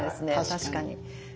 確かに。